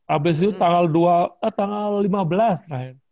abis itu tanggal lima belas raih